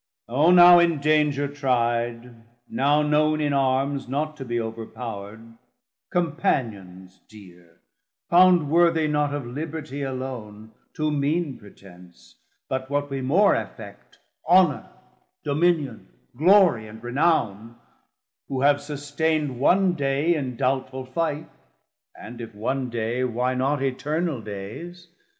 O now in danger tri'd, now known in Armes Not to be overpowerd, Companions deare, Found worthy not of Libertie alone, 420 Too mean pretense, but what we more affect, Honour, Dominion, Glorie, and renowne, Who have sustaind one day in doubtful fight, (And if one day, why not Eternal dayes?)